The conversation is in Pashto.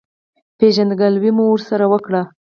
پېژندګلوي مو ورسره وکړه.